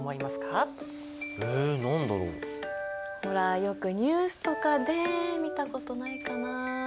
ほらよくニュースとかで見たことないかな？